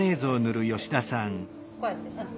こうやって。